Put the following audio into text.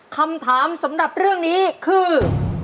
คำถามสำหรับเรื่องนี้คือ